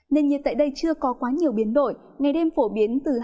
nền nhiệt tại đây chưa có quá nhiều biến đổi ngày đêm phổ biến từ hai mươi bốn đến ba mươi bốn độ